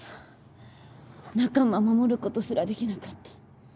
仲間守ることすらできなかった。